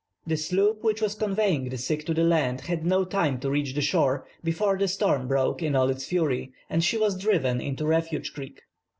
The sloop which was conveying the sick to land had no time to reach the shore, before the storm broke in all its fury, and she was driven into Refuge Creek.